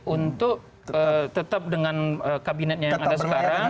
untuk tetap dengan kabinetnya yang ada sekarang